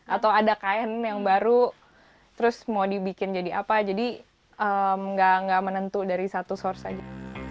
atau ada kain yang baru terus mau dibikin jadi apa jadi nggak menentu dari satu source aja